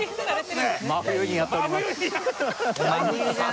真冬にやった